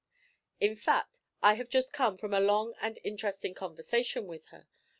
"In fact I have just come from a long and interesting conversation with her.